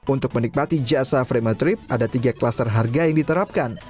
untuk menikmati jasa frame a trip ada tiga klaster harga yang diterapkan